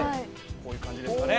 こういう感じですかね。